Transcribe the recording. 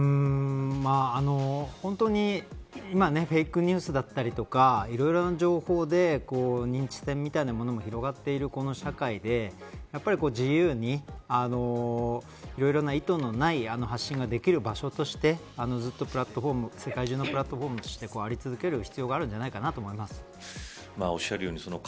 本当に今フェイクニュースだったりとかいろいろな情報で認知戦みたいなものが広がってるこの社会でやはり自由に、いろいろな意図のない発信ができる場所としてずっとプラットフォーム世界中のプラットホームとして在り続ける必要があるのではないかと思います。